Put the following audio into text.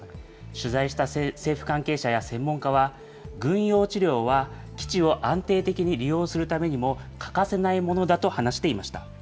取材した政府関係者や専門家は、軍用地料は基地を安定的に利用するためにも欠かせないものだと話していました。